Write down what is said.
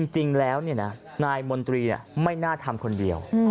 จริงแล้วนายมนตรีไม่น่าทำคนเดียว